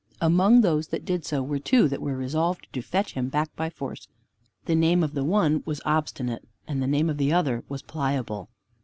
Among those that did so were two that were resolved to fetch him back by force. The name of the one was Obstinate, and the name of the other was Pliable.